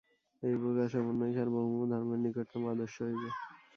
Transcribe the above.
এই প্রকার সমন্বয়ই সার্বভৌম ধর্মের নিকটতম আদর্শ হইবে।